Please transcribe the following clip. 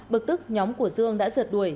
bực tức nhóm của dương đã giật đuổi